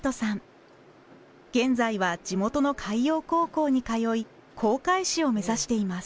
現在は地元の海洋高校に通い航海士を目指しています。